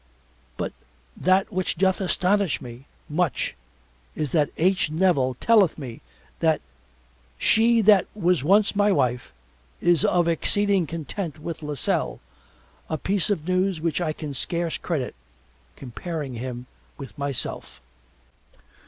But that which doth astonish me much is that H. Nevil telleth me that she that was once my wife is of exceeding content with Lasselle a piece of news which I can scarce credit comparing him with myself.